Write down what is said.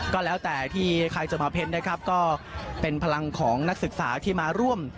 ก็แล้วแต่ที่ใครจะมาเพ้นนะครับก็เป็นพลังของนักศึกษาที่มาร่วม